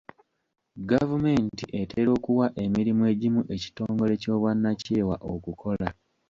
Gavumenti etera okuwa emirimu egimu ekitongole ky'obwannakyewa okukola.